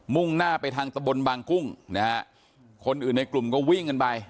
่งหน้าไปทางตะบนบางกุ้งนะฮะคนอื่นในกลุ่มก็วิ่งกันไป